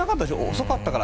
遅かったから。